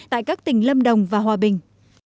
tại các tỉnh lâm đồng và hòa bình